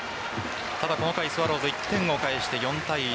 ただ、この回スワローズ１点を返して４対１。